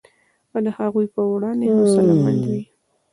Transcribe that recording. او د هغوی په وړاندې حوصله مند وي